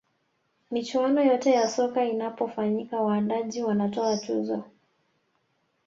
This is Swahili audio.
michuano yote ya soka inapofanyika waandaaji wanatoa tuzo